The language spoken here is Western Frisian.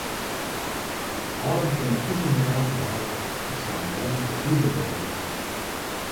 Alden kinne thús yn de gaten hâlde oft harren bern it húswurk wol docht.